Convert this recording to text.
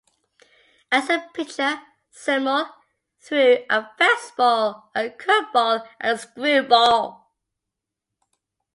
As a pitcher, Seymour threw a fastball, a curveball, and a screwball.